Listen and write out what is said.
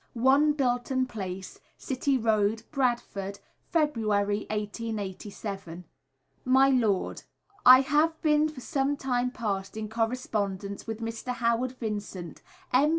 1, Bilton Place, City Road, Bradford. February, 1887. My Lord, I have been for some time past in correspondence with Mr. Howard Vincent, M.